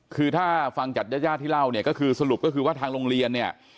คือถ้าฟังจากญาติที่เล่าสรุปก็คือว่าทางโรงเรียน